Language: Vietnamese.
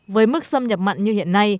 với mức xâm nhập mặn như hiện nay